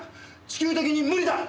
地球的に無理だ！